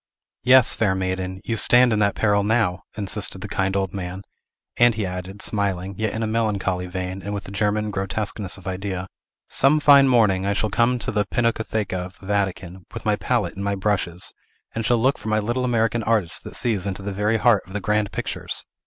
"Yes, fair maiden, you stand in that peril now!" insisted the kind old man; and he added, smiling, yet in a melancholy vein, and with a German grotesqueness of idea, "Some fine morning, I shall come to the Pinacotheca of the Vatican, with my palette and my brushes, and shall look for my little American artist that sees into the very heart of the grand pictures!